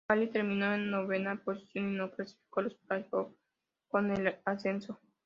Bari terminó en novena posición y no clasificó a los play-off por el ascenso.